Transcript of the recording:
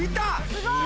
すごい！